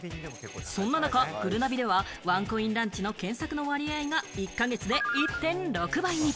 そんな中、ぐるなびでは、ワンコインランチの検索の割合が１か月で１．６倍に。